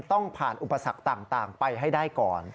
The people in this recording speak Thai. ต้องผ่านอุปสรรคต่างไปให้ได้ก่อน